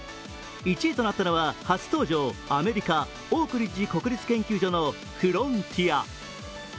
１位となったのは初登場、アメリカ・オークリッジ国立研究所のフロンティア。